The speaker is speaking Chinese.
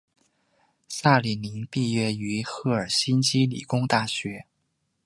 萨里宁毕业于赫尔辛基理工大学。